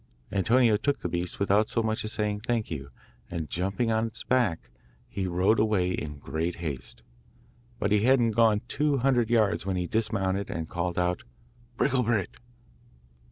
Antonio took the beast without as much as saying thank you, and jumping on its back he rode away in great haste; but he hadn't gone two hundred yards when he dismounted and called out 'Bricklebrit.